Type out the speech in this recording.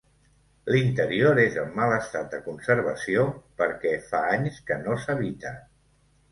L'interior és en mal estat de conservació, perquè fa anys que no s'habita.